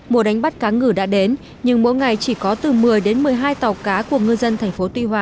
mùa đánh bắt cá ngừ đã đến nhưng mỗi ngày chỉ có từ một mươi đến một mươi hai tàu cá của ngư dân thành phố tuy hòa